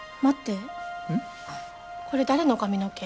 これ誰の髪の毛？